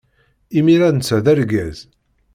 Imir-a netta d argaz.